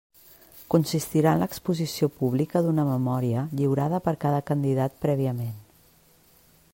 Consistirà en l'exposició pública d'una memòria lliurada per cada candidat prèviament.